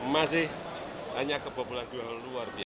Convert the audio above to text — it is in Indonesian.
masih banyak kebobolan dua luar biasa